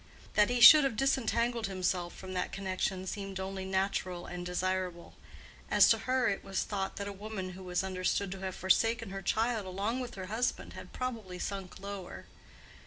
That he should have disentangled himself from that connection seemed only natural and desirable. As to her, it was thought that a woman who was understood to have forsaken her child along with her husband had probably sunk lower.